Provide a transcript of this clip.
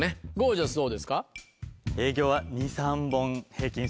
ジャスどうですか？